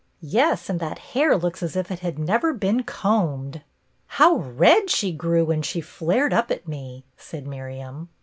" Yes, and that hair looks as if it had never been combed." " How red she grew when she flared up at me !" said Miriam.